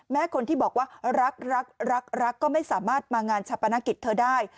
แม้คนที่บอกว่ารักก็ไม่สามารถมางานฉปนักกิจเธอได้